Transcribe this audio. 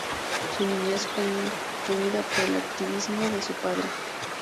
Su niñez fue muy influida por el activismo de su padre.